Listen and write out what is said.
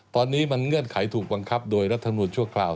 ตอนนี้มันเงื่อนไขถูกบังคับโดยรัฐมนุนชั่วคราว